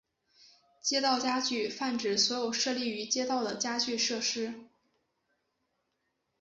街道家具泛指所有设立于街道的家具设施。